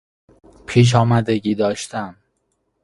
پیشامدگی داشتن